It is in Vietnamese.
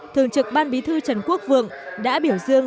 thường trực ban bí thư trần quốc vượng đã biểu dương